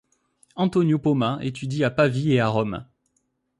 Antonio Poma étudie à Pavie et à Rome.